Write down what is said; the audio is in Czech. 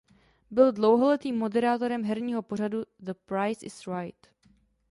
Byl dlouholetým moderátorem herního pořadu "The Price Is Right".